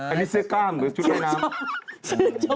อันนี้เสื้อกล้ามหรือชุดว่ายน้ำ